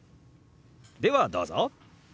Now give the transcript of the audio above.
ではどうぞ！